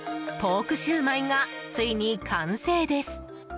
ポークシュウマイがついに完成です。